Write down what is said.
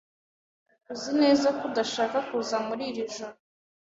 Uzi neza ko udashaka kuza muri iri joro?